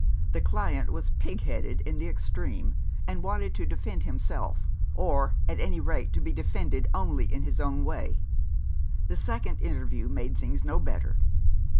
The client was pig headed in the extreme, and wanted to defend himself, or, at any rate, to be defended only in his own way. The second interview made things no better.